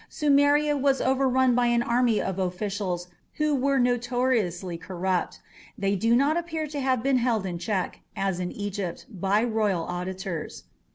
Sumeria was overrun by an army of officials who were notoriously corrupt; they do not appear to have been held in check, as in Egypt, by royal auditors.